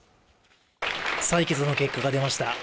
採決の結果が出ました